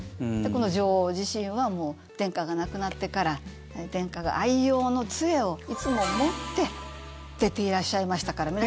今度、女王自身は殿下が亡くなってから殿下が愛用の杖をいつも持って出ていらっしゃいましたからね。